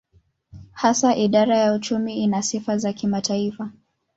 Hasa idara ya uchumi ina sifa za kimataifa.